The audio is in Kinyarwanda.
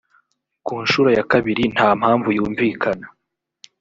ku nshuro ya kabiri nta mpamvu yumvikana